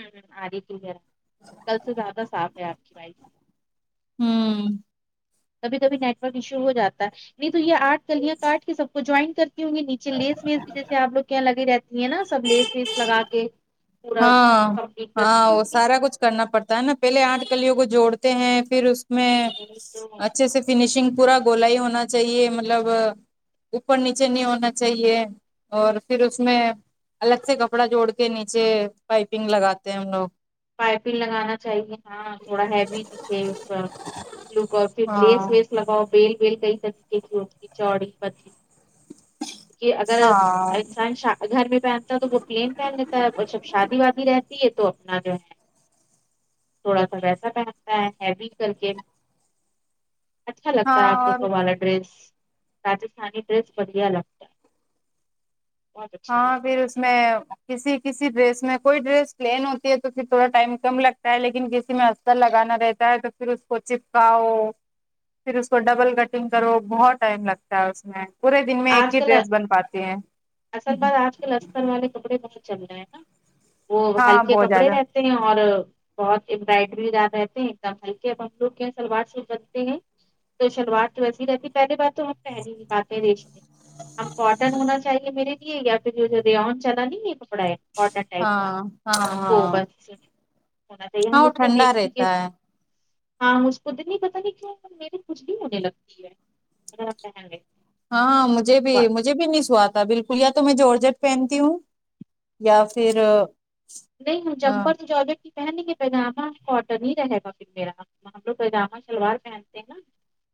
ہوں آ رہی ہے کل سے زیادہ صاف ہے آپ کی وائس ہوں کبھی کبھی نیٹ ورک ایشو ہو جا ہے نہیں تو یہ آٹ کلیاں کاٹ کے سب کو جوائن کر ہوں گی نیچے لیس ویس بھی جیسے آپ لوگ کے یہاں لگی رہتی ہیں نہ سب لیس ویس لگا کے پورا ہاں کمپلیٹ ہاں کرتی ہوں وہ گی سارا کچھ کرنا پڑتا ہے نہ پہلے آٹھ کلیوں کو جوڑتے ہیں پھر میں نہیں تو اچھے سے فنیشنگ پورا گولا ہی ہونا چاہیے مطلب اوپر نیچے نہیں ہونا چاہیے اور فر اس میں الگ سے کپڑا جوڑ پائپن لگانا چاہیے ہاں تھوڑا ہیوی دکھے اس لک اور پھر لیس ہاں ویس لگاؤ بیل بیل کئی طریقے کی ہوتی ہے چوڑی پتلی کہ اگر ہاں انسان شا گھر میں پہنتا ہے تو وہ پلین پہن لیتا ہے اور سب شادی وادی رہتی ہے تو اپنا جو ہے تھوڑا سا ویسا پہنتا ہے ہیوی کر کے اچھا لگتا ہے ہاں آپ اور لوگوں والا ڈریس راجستھانی ڈریس بڑھیا لگتا ہے بہت اچھا ہاں لگتا پھر ہے اس میں کسی کسی ڈریس میں کوئی ڈریس پلین ہوتی ہے تو پھر تھوڑا ٹائم کم لگتا ہے لیکن کسی میں تر لگانا رہتا ہے تو پھر اس کو چپکاؤ پھر اس کو ڈبل کٹنگ کرو بہت ٹائم لگتا ہے اس میں پورے دن میں ایک آج ہی کل ڈریس بن پاتی ہے اصل بات آج کل استر والے کپڑے بہت چل رہے ہیں نہ وہ ہاں ہلکے بہت کپڑے زیادہ رہ تے ہیں اور بہت امبرائڈری زیا رہتے ہیں ایک دم ہلکے اب ہم لوگ کے سلوار سوٹ رکھتے ہیں تو شلوار ویسی رہتی پہلی بات تو ہم پہن ہی نہیں پاتے ریشمی اب کاٹن ہونا چاہئے میرے لئے یا پھر جو جورےان چلا نہیں یہ کپڑا ہے کاٹن ٹائپ کا ہاں ہاں وہ ہاں بس ہونا چاہیے ہاں ہم وہ اس کو ٹھنڈا دیکھیں کہ رہتا ہے ہاں مجھ کو تو نہیں پتہ نہیں کیوں میرے کهجلی ہونے لگتی ہے [unintelligible] ہاں ہاں مجے بھی مجھے بھی نہیں سوا تا بالکل یا تو میں جورجٹ پہنتی ہوں یا فر نہیں ہ چمپر تو جارٹ کی پہن کے پیجامہ کاٹن ہی رہے گا پھر میرا ہم لگ پائجامہ شلوار پہنتے ہیں نہ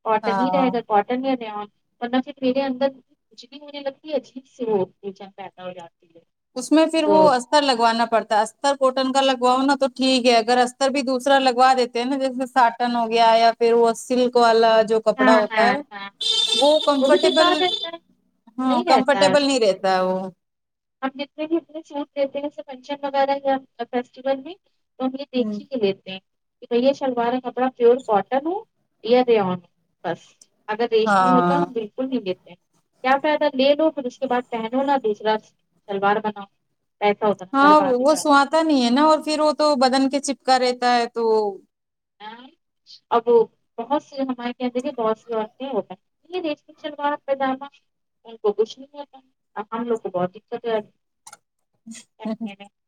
کاٹن ہی رہے گا کاٹن کاٹن یا رے ان ورنہ پھر میرے اندر کھجلی ہونے لگتی ہے عجیب سی وہ بے چین پیدا ہو جاتی ہے اس میں پھر تو وہ اس استر لگوانا پڑتا ہے جیسے سا ٹن ہو گیا یا پھر وہ سلک والا جو ہاں کپڑا ہاں ہوتا ہے ہاں وہ بھی کمفرٹیبل بیکار رہتا ہے ہوں نہیں رہتا ہے وہ کمفرٹیبل نہیں رہتا ہے وہ ہم جتنے بھی اتنے سوٹ دیتے ہیں جیسے فنچم وغیرہ یا فیسٹیول میں تو ہم یہ دیکھ ہوں ہی لیتے ہیں کہ بھیا شلوار کا کپڑا پیور کوٹن ہو یا رےایان ہو بس اگر ریش نہیں ہاں ہوتادیکھ وہ نہیں لیتے کیا فا ئدہ لے لو پھر اس کے بعد پہنو نہ دوسرا سلوار بناؤ پیسہ ہوتا نا ہاں برباد ہو وہ جاتا سوتا نہیں ہے نا اور پھر وہ تو بدن کے چپکا رہتا ہے تو ہے اب بہت سی ہم مائیں کہدے بہت سی و ہوگئے شوار پیداما ان کو کچھ نہیں ہے ہم لوگ کو بہت دقت ہےی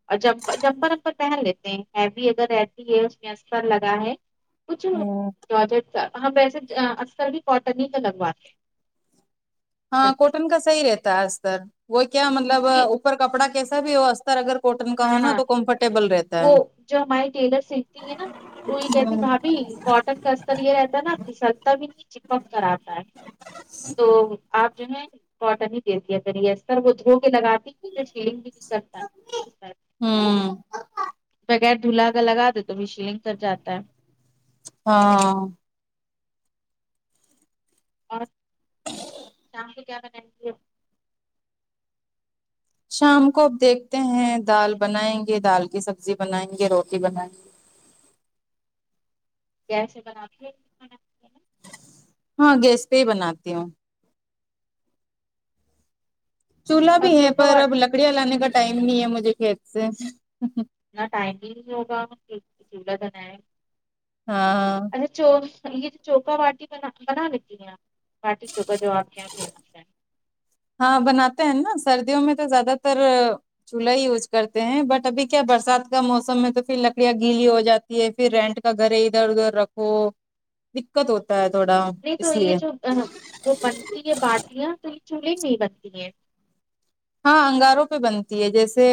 اور جمر جمپر امپر پہن لیتے ہیں ہیوی اگر رہتی ہے اس میں ار لگا ہے کچھ ہوں، ججٹ ہم ویسے اکثر بھی کاٹن ہی کا لگواتے ہاں کوٹن کا صحیح رہتا ہے اس تر وہ کیا مطلب کیونکہ اوپر کپڑا کیسا بھی ہو اگر کوٹن کا ہو نا ہاں تو کمفرٹیبل رہتا ہے وہ جو ہماراری ٹیلر سیکھتی ہے نا تو یہ کہتی ہوں بھابھی کاٹن کا یہ رہتا ہے نا ا سرتا بھی نہیں چپک کر آتا ہے تو آپ جو ہے کاٹن ہی د دیا کریر وہ دھو کے لگاتی تھی تو شیلنگ بھی نہیں کرتا استر، ہوں بغیر دھلا کا لگاد تو بھی شلنگ کر جاتا ہے ہاں اور شام کو کیا بنائیں گے شام کو آپ دیکھتے ہیں دال بنائیں گے دال کی سبزی بنائیں گے روٹی بنائیں گے کیسے بنا کے ہاں گیس پہ ہی بناتی ہوں چولہا اور بھی ہے چوکا پر اب بنا لکڑیاں لانے کا ٹائم نہیں ہے مجھے کھیت سے ٹائمنگ ہوگا چلہ دن ہے ہاں ہاں اچھا چو یہ جو چوکا واٹی بنا بنا لیتی ہیںپ پاٹی چوکا جو آپ کے یہاں فیمس ہے ہاں بناتے ہیں نا سردیوں میں تو زیادہ تر چولہا ہی یوز کرتے ہیں بٹ ابھی کیا برسات کا موسم میں تو پھر لکڑیاں گیلی ہو جاتی پھر رینٹ کا گھر ادھر ادھر رکھو دقت ہوتا ہے تھوڑا نہیں تو اس یہ لیے جو اہ، وہ بنتی ہے باٹیاں تو یہ چولہے میں بنتی ہیں ہاں انگاروں پہ بنتی ہے جیسے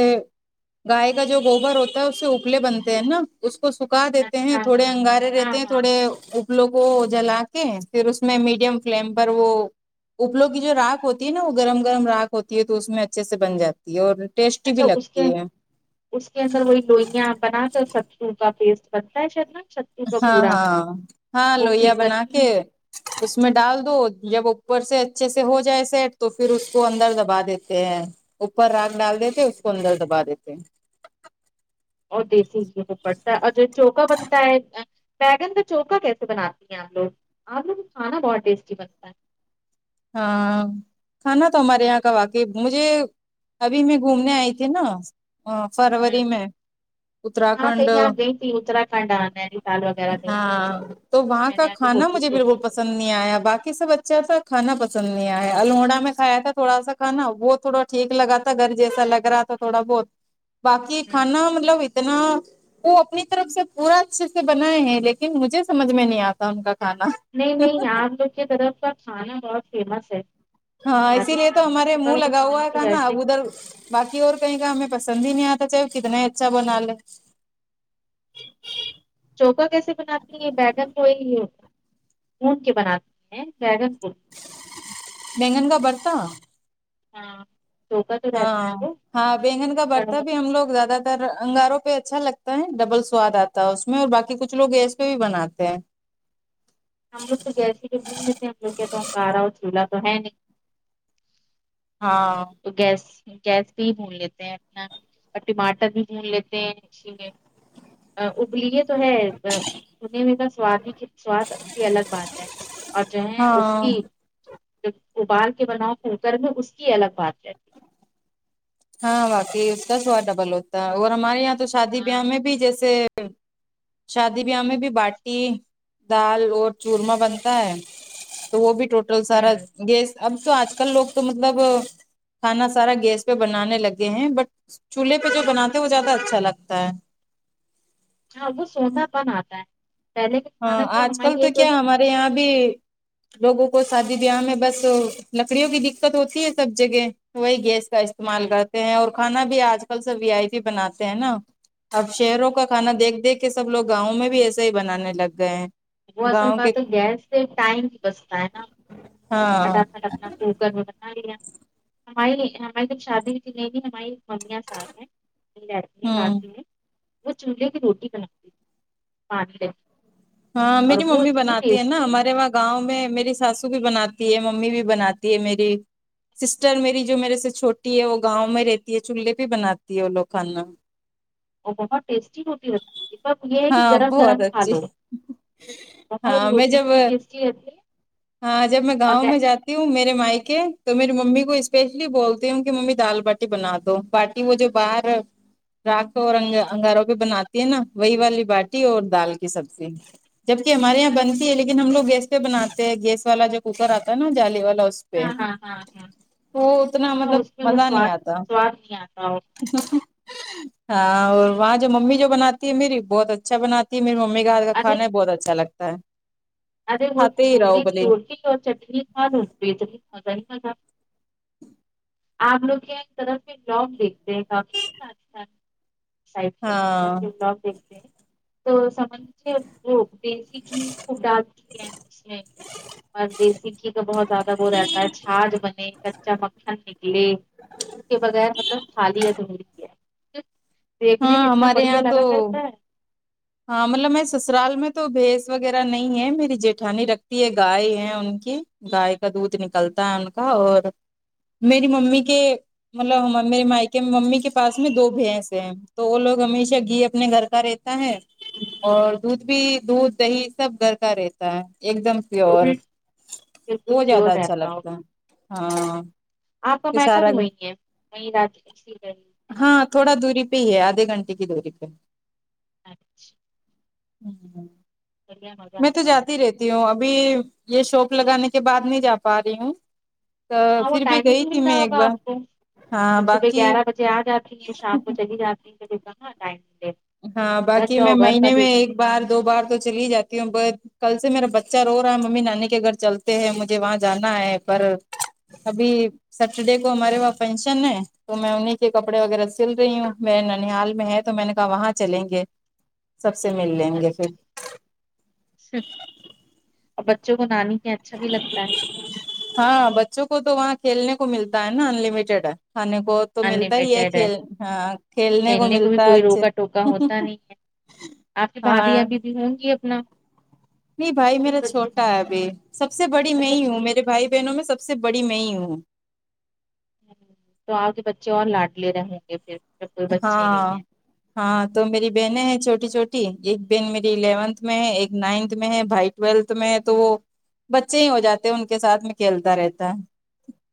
گائے کا جو گوبر ہوتا ہے اس سے اپلے بنتے ہیں نا اس کو سکھا دیتے ہیں اچھا تھوڑے ہاں انگارے ہاں رہتے ہاں تھوڑے الوں کو جلا کے پھر اس میں میڈیم فلیم پر وہ الو کی جو راکھ ہوتی ہے نا وہ گرم گرم راکھ ہوتی ہے تو اس میں اچھے سے بن جاتی ہے اور ٹیسٹی بھی اچھا اس کے لگتی ہے اس کے اندر وہی لوئیاں بنا کر سترو کا پیسٹ بنتا ہے شید ہاں ہاں ہاں لوئیا بنا کرتی کے اس میں ڈال دو جب اوپر سے اچھے سے ہو جائے سیٹ تو پھر اس کو اندر دبا دیتے ہیں اوپر راگ ڈال دیتے اس ہیں۔ کو اندر دبا دیتے اور دیسی کو پڑتا ہے اور جو چوکا بنتا ہے بیگن کا چوکا کیسے بناتی ہیں آ ہم لوگ آ لوگ کھانا بہت ٹیسٹی بنتا ہے ہاں کھانا تو ہمارے یہاں کا واقعی مجھے ابھی میں گھومنے آئی تھی نا ہے فروری میں ہاں اترکھنڈ کہیں آپ گئی تھی اتراکھنڈ نینیتال وغیرہ گئی تھی ہاں تو وہاں میں کا نے آپ کے کھا فوٹوز مجھے دیکھے بالکل تھے پسند نہیں آیا باقی سب اچھا سا کھانا پسند نہیں آیا ہے الوڑا میں کایا تھا تھوڑا سا کھانا وہ تھوڑا ٹھیک لگا تھا گھر جیسا لگ رہا تھا تھوڑا بہت باقی کانا مطلب اتنا وہ اپنی طرف سے پورا اچھے سے بنائے ہیں لیکن مجھے سمجھ میں نہیں آتا ان کا کھانا نہیں نہیں یہاں پر لوگ کی طرف کا کھانا بہت فیمس ہے ہاں اسی لیے تو راجستھان ہمارے منہ کا لگا ہوا کھانا تو تھا نا ویسے اب ادھر باقی اور کہیں کا ہمیں پسند ہی نہیں آتا چاہے کتنا اچھا بنا لے چوکا کیسے بناتی ہیں بیگن کوئی اون کے بناتی ہیں بیگن کو بیگن کا برتا ہاں چوکا تو رہتا ہاں ہے وہ ہاں بیگن کا برتا کڑوا. بھی ہم لوگ زیادہ تر انگاروں پے اچھا لگتا ہے ڈبل سواد آتا ہے اس میں اور باقی کچھ لوگ گیس پے بھی بناتے ہیں ہم لوگ تو گیس ہی کے گھوم لیتے ہیں ہم لوگ کیا تو انگارا اور چولہا تو ہے نہیں ہاں تو گیس گیس بھی ہی بھون لیتے ہیں اپنا اور ٹماٹر بھی بھون لیتے ہیں اسی میں آ ابلیے [unintelligible] اور جو ہے اس ہاں کی جب ابال کے بناؤ کوکر میں اس کی الگ بات ہے ہاں واقع اس کا سواد ڈبل ہوتا ہے اور ہمارے یہاں تو شادی ہے ہاں بیاہ میں بھی جیسے شادی بیاہ میں بھی باٹی دال اور چورمہ بنتا ہے تو وہ بھی ٹوٹل سارا ہ گیس اب تو آج کل لوگ تو مطلب کھانا سارا گیس پے بنانے لگے ہیں بٹ چولہے پے جو بناتے ہیں وہ زیادہ اچھا لگتا ہے ہاں وہ سوندا پن آتا ہے پہلے کے کھانا جو ہماری ایک ارے یہاں بھی لوگوں کو شادی بیا میں بس لکڑیوں کی دقت ہوتی ہے سب جگے وہی گیس کا ہ استعمال کرتے ہیں اور کھانا بھی آج کل سب وی آئی پی بناتے ہیں نا اب شہروں کا کھانا دیکھ دیکھ کے سب لوگ گاؤں میں بھی ایسے ہی بنانے لگ گئے ہیں وہ اصل گاؤں کے بات ہے گیس سے ٹائم بھی بچتا ہے نا ہاں پھٹافٹ اپنا ف [unintelligible] ہمیں ہمیں جب شادی ہوئی تھی نئی نئی ہمیی ممیا ساس ہے لتی ہیں ہوں کافی میں وہ چولہے کی روٹی بناتی تھی پانی رہتی ہاں میری ممی بناتی ہے نا ہمارے وہاں گاؤں میں میری ساسو بھی بناتی ہے ممی بھی بناتی ہے میری سسٹر میری جو میرے سے چھوٹی ہے وہ گاؤں میں رہتی ہے چولہے پے بناتی ہے وہ لوگ کھانا اور بہت ٹیسٹی روٹی رکھتی تھی یے ہے کی ہاں گرم بہت گرم کھا اچھی لو ہاں میں روٹی جب اتنی ٹیسٹی رہتی ہے ہاں جب میں گاؤں میں جات تی ہو میرے مائیکے تو میری ممی کو اسپیشلی بولتی ہوں کی ممی دال باٹی بنا دو وہ جو باہر راکھ اور انگاروں پے بناتی ہے نا وہی والی باٹی اور دال کی سبزی جبکے ہمارے یہاں بنتی ہے لیکن ہم لوگ گیس پے بناتے ہیں گیس والا جو کوکر آتا ہے نا جالی والا ہاں ہاں ہاں ہاں تو اتنا ہاں مطلب اس میں وہ مزہ نہیں سواد آتا سواد نہیں آتا ہو ہاں اور وہاں جو ممی جو بناتی ہے میری بہت اچھا بناتی تی میری ممی کا ہاتھ کا ارے کھانا بہت اچھا لگتا ہے ارے وہ کھاتے ہی رہو چولہے کی بھلے روٹی اور چٹنی کھا لوں بتنی مزہ ہی مزہ آپ لوگ کیا ایک طرف سے بلاگ دیکھتے ہیں کافی اچھا اچھا ہاں [unintelligible] تو سمجھ وہ دیسی گھی کو ڈالتی ہے اس میں اور دیسی گھی کا بہت زیادہ وہ رہتا ہے چھاھ بنے کچا مکھن نکلے اسکے بگیر مطلب ہے [unintelligible] دیکھنے میں ہاں اتنا ہمارے بڑھیا یہاں تو لگا کرتا ہے ہاں مطلب میں سسرال میں تو بھیس وغیرہ نہیں ہے میری جیٹھانی رکھتی ہے گائے ہے ان کی گائے کا دودھ نکلتا ہے ان کا اور میری ممی کے مطلب میرے مائیکے ممی کے پاس میں دو بھیس ہیں تو وہ لوگ ہمیشہ گھی اپنے گھر کا رہتا ہے اور دودھ بھی دودھ دہی سب گھر کا رہتا ہے ایک دم وہ پیور بھی بالکل وہ زیادہ پیور اچھا رہتا ہو لگتا ہے ہاں کہ سارا گھر- [unintelligible] نا دوری پے ہی ہے آھے گھنٹے کی دوری پے اچھا ہوں بڑھیا مزہ میں تو آتا ہو جاتی رہتی ہوں ابھی یہ شاپ لگانے کے بعد نہیں جا پا رہی ہوں تو ہاں وہ پھر بھی ٹائم ہی گئی نہیں تھی مل میں رہا ایک ہوگا بار ہاں باقی جیاد آات شام کو چلی آپ دا ن ٹائمے ہاں باقی میں مہینے میں ایک بار دو بار تو چلی جاتی ہوں بس کل سے میرا بچہ رو رہا ہے ممی نانی کے گھر چلتے ہیں مجھے وہاں جانا ہے پر ابھی سٹرڈے کو ہمارے وہاں فنکشن ہے تو میں انہیں کے کپڑے وغیرہ سل رہی ہوں میں ننحال میں ہے تو میں نے کا وہاں چلیں گے سب سے مل لیں گے پھر اور بچوں کو نانی کے یہاں اچھا بھی لگتا ہے ہاں بچوں کو تو وہاں کھیلنے کو ملتا ہے نا انلمیٹیڈ ہے کھانے کو تو ملتا ہی ہے کھیل ہاں کھیلنے کو بھی ملتا ہے کوئی اچھا روکا ٹوکا ہوتا نہیں ہے آپ کی بھابھی ابھی بھی ہوں گی اپنا نہیں بھائی میرا بچے چھوٹا اچھا ہے ابھی سب سے بڑی میں اچھا ہوں اچھے میرے بھائی بہنوں میں سب سے بڑی میں ہوں تو آپ کے بچے اور لاڈلے رہیں گے پھر جب کوئی بچے ہاں نہیں ہے ہاں تو میری بہنیں ہیں چھوٹی چھوٹی ایک بہن میری الیونتھ میں ہے ایک نائنت میں ہے بھائی ٹویلتھ میں تو وہ بچے ہی ہو جاتے ہیں ان کے ساتھ میں کھیلتا رہتا ہے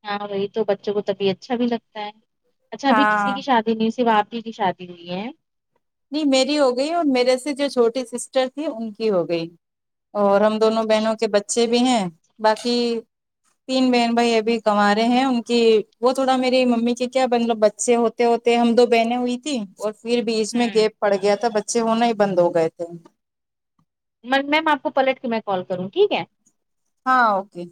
ہاں وہی تو بچوں کو تبھی اچھا بھی لگتا ہے اچھا ابھی کسی ہاں کی شادی دنی سی ب آپ ہی کی شادی ہوئی ہے نہیں میری ہو گئی اور میرے سے جو چھوٹی سسٹر تھھی ان کی ہو گئی اور ہم دونوں بہنوں اچھا کے بچے بھی ہیں باقی تین بہن بھائی ابھی کو رہے ہیں ان کی وہ تھوڑا میری ممی کے کیا مطلب بچے ہوتے ہوتے ہم دو بہنیں ہوئی تیں اور پھر بیچ میں ہوں گیپ پڑ گیا تھا بچے ہونا ہی بند ہو گئے تھے میم آپ کو پلٹ کے میں کال کروں ٹھیک ہے ہاں اوکے